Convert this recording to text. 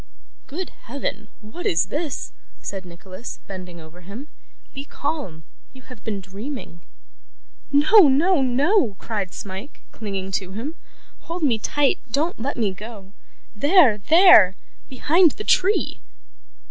'Good Heaven, what is this?' said Nicholas, bending over him. 'Be calm; you have been dreaming.' 'No, no, no!' cried Smike, clinging to him. 'Hold me tight. Don't let me go. There, there. Behind the tree!